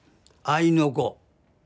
あいの子